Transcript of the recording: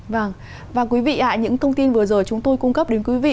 vâng và quý vị những thông tin vừa rồi chúng tôi cung cấp đến quý vị